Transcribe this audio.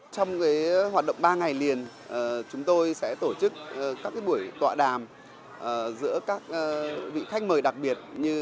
trong hoạt động ba ngày liền chúng tôi sẽ tổ chức các buổi tọa đàm giữa các vị khách mời đặc biệt như